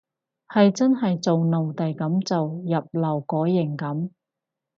係真係做奴隸噉做，入勞改營噉